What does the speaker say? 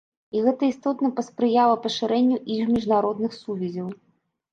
І гэта істотна паспрыяла пашырэнню іх міжнародных сувязяў.